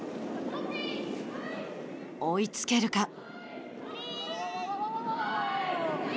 追いつけるか。